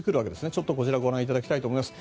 ちょっとこちらご覧いただきたいと思います。